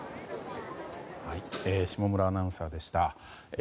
下村アナウンサーでした。